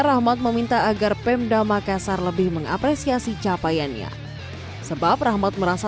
rahmat meminta agar pemda makassar lebih mengapresiasi capaiannya sebab rahmat merasa